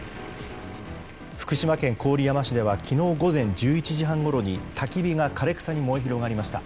福島県郡山市では昨日午前１１時半ごろに焚き火が枯れ草に燃え広がりました。